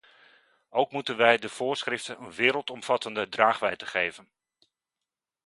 Ook moeten wij de voorschriften een wereldomvattende draagwijdte geven.